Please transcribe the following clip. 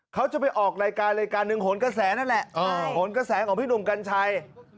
เขาจะไปออกรายการหนึ่งโหนกระแสของผู้กันใหญ่